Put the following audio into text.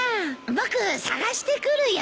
僕捜してくるよ。